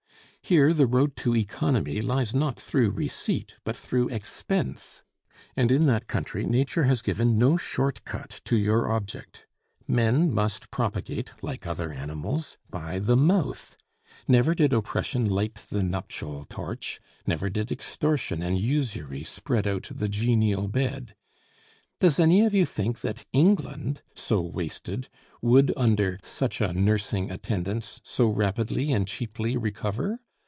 Here the road to economy lies not through receipt, but through expense; and in that country nature has given no short cut to your object. Men must propagate, like other animals, by the mouth. Never did oppression light the nuptial torch; never did extortion and usury spread out the genial bed. Does any of you think that England, so wasted, would, under such a nursing attendance, so rapidly and cheaply recover?